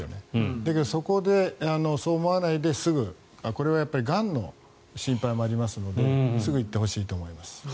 だけど、そこでそう思わないでこれはがんの心配もありますのですぐ行ってほしいと思います。